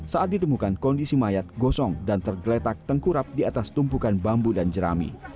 saat ditemukan kondisi mayat gosong dan tergeletak tengkurap di atas tumpukan bambu dan jerami